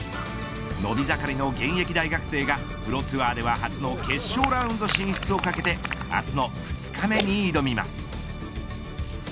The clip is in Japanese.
伸び盛りの現役大学生がプロツアーでは初の決勝ラウンド進出をかけて明日の２日目に挑みます。